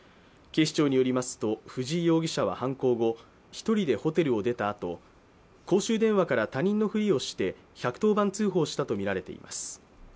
警視庁によりますと藤井容疑者は犯行後、１人でホテルを出たあと公衆電話から他人のふりをして１１０番通報したとみられています。